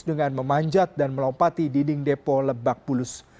dengan memanjat dan melompati dinding depo lebak bulus